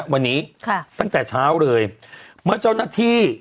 วันนี้ตั้งแต่เช้าเลยเมื่อเจ้าหน้าที่